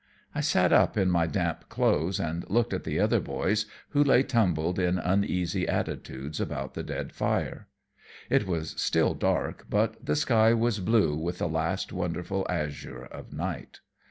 I sat up in my damp clothes and looked at the other boys, who lay tumbled in uneasy attitudes about the dead fire. It was still dark, but the sky was blue with the last wonderful azure of night.